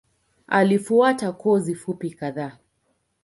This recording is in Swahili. Alifuata kozi fupi kadhaa.